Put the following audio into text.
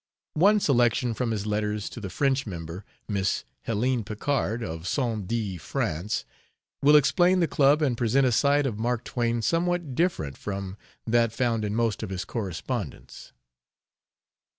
One selection from his letters to the French member, Miss Helene Picard, of St. Die, France, will explain the club and present a side of Mask Twain somewhat different from that found in most of his correspondence.